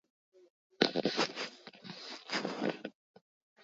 نن یو ماشوم بېخي ماغزه خراب کړ.